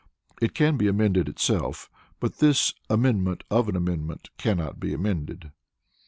It can be amended itself, but this "amendment of an amendment" cannot be amended.